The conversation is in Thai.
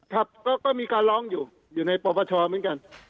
ครับก็มีการร้องอยู่อยู่ในประวัติศาสตร์เหมือนกัน